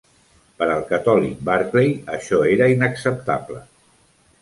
Per al catòlic Barclay, això era inacceptable.